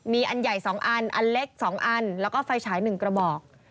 มีอันใหญ่๒อันอันเล็ก๒อันแล้วก็ไฟฉาย๑กระบอก